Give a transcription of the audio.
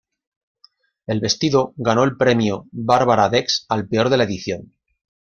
El vestido ganó el "Premio Barbara Dex" al peor de la edición.